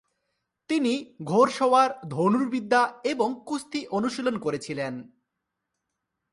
তিনি ঘোড়সওয়ার, ধনুর্বিদ্যা এবং কুস্তি অনুশীলন করেছিলেন।